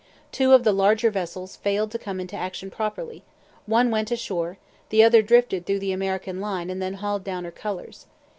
Two of the larger vessels failed to come into action properly; one went ashore, the other drifted through the American line and then hauled down her colours.